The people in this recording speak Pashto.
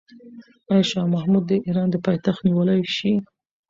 آیا شاه محمود د ایران پایتخت نیولی شي؟